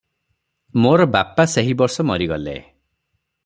ମୋର ବାପା ସେହିବର୍ଷ ମରିଗଲେ ।